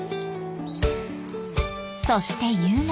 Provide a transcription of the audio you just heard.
そして夕方。